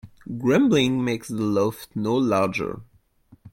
Grumbling makes the loaf no larger.